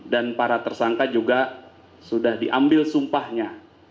dan para tersangka juga sudah diambil sumpahnya